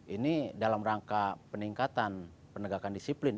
ini dalam rangka peningkatan penegakan disiplin